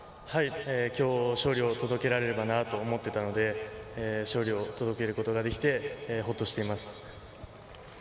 きょう勝利を届けられればと思っていたので勝利を届けることができてほっとしています。